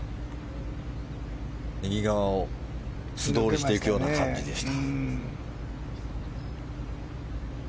右側を素通りしていくような感じでした。